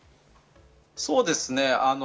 そうですね。